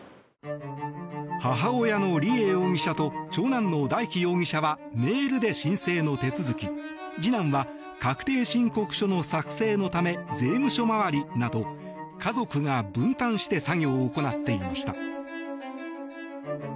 母親の梨恵容疑者と長男の大祈容疑者はメールで申請の手続き次男は確定申告書の作成のため税務署回りなど家族が分担して作業を行っていました。